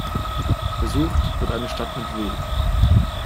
Gesucht wird eine Stadt mit W.